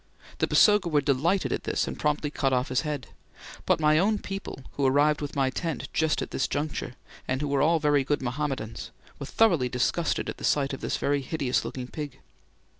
The Basoga were delighted at this, and promptly cut off the head; but my own people, who arrived with my tent just at this juncture, and who were all good Mohammedans, were thoroughly disgusted at the sight of this very hideous looking pig.